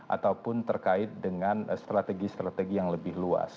ataupun terkait dengan strategi strategi yang lebih luas